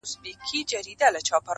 لوی قوماندانان قوي اراده لرله